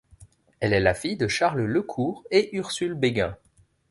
Elle est la fille de Charles Lecours et Ursule Bégin.